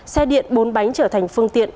xe điện bốn bánh trở thành phương tiện